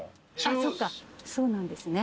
そうなんですね。